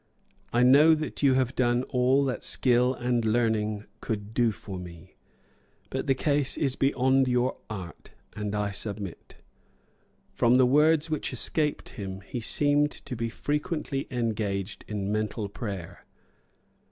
"I know that you have done all that skill and learning could do for me; but the case is beyond your art; and I submit." From the words which escaped him he seemed to be frequently engaged in mental prayer.